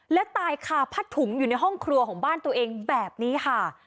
และตายคาผ้าถุงอยู่ในห้องครัวของบ้านตัวเองแบบนี้ค่ะ